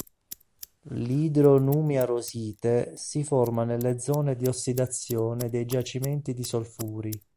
L'hydroniumjarosite si forma nelle zone di ossidazione dei giacimenti di solfuri.